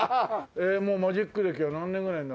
えーもうマジック歴は何年ぐらいになるんですか？